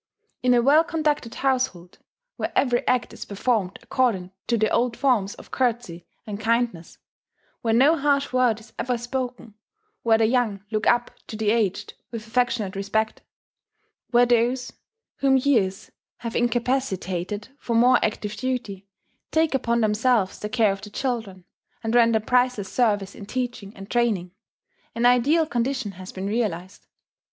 In a well conducted household, where every act is performed according to the old forms of courtesy and kindness, where no harsh word is ever spoken, where the young look up to the aged with affectionate respect, where those whom years have incapacitated for more active duty, take upon themselves the care of the children, and render priceless service in teaching and training, an ideal condition has been realized.